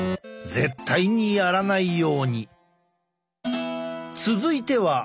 絶対にやらないように。